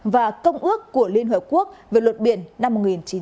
và công ước của liên hợp quốc về luật biển năm một nghìn chín trăm tám mươi hai